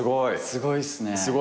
すごいっすね。